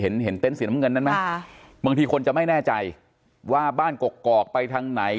เห็นเห็นเต็นต์สีน้ำเงินนั้นไหมบางทีคนจะไม่แน่ใจว่าบ้านกกอกไปทางไหน